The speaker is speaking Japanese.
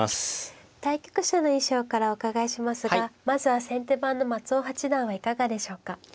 対局者の印象からお伺いしますがまずは先手番の松尾八段はいかがでしょうか。